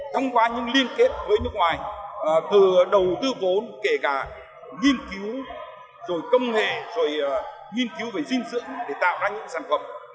thông qua những liên kết với nước ngoài từ đầu tư vốn kể cả nghiên cứu rồi công nghệ rồi nghiên cứu về dinh dưỡng để tạo ra những sản phẩm